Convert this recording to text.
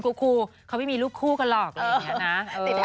คนคูลเขาไม่มีลูกคู่ก็หรอกเลยอย่างนี้นะ